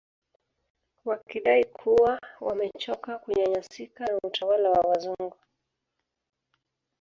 Wakidai kuwa wamechoka kunyanyasika na utawala wa wazungu